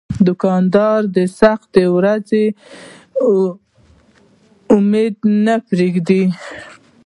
دوکاندار د سختو ورځو امید نه پرېږدي.